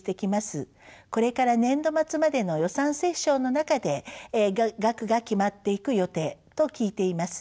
これから年度末までの予算折衝の中で額が決まっていく予定と聞いています。